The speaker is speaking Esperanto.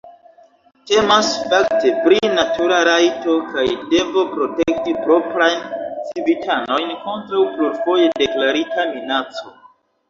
Temas, fakte, pri natura rajto kaj devo protekti proprajn civitanojn kontraŭ plurfoje deklarita minaco.